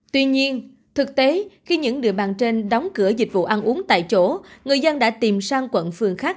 tuy nhiên thực tế khi những địa bàn trên đóng cửa dịch vụ ăn uống tại chỗ người dân đã tìm sang quận phường khác